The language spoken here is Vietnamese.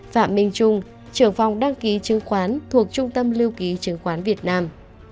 phạm minh trung trưởng phòng đăng ký chứng khoán thuộc trung tâm lưu ký chứng khoán việt nam